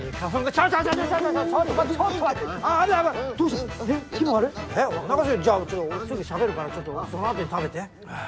すいじゃあ俺ちょっとしゃべるからちょっとそのあとで食べて。